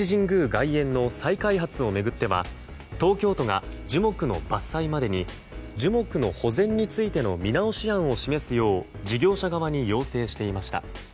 外苑の再開発を巡っては東京都が樹木の伐採までに樹木の保全についての見直し案を示すよう事業者側に要請していました。